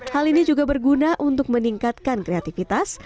hal ini juga berguna untuk meningkatkan kreativitas